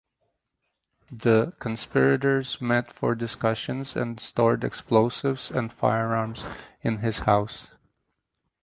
The conspirators met for discussions and stored explosives and firearms in his house.